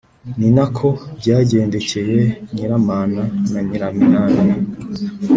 ni na ko byagendekeye nyiramana na nyiraminani